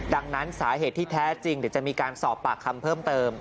ดังนั้นสาเหตุที่แท้จริงเดี๋ยวจะมีการสอบปากคำเพิ่มเติม